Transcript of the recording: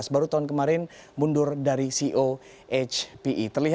baru tahun kemarin mundur dari ceo hpe